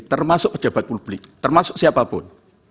termasuk pejabat publik termasuk siapapun